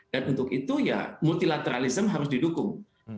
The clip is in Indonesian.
dan untuk itu ya multilateralism harus didukung